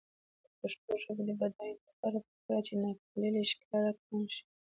د پښتو ژبې د بډاینې لپاره پکار ده چې ناپییلي ښکار کم شي.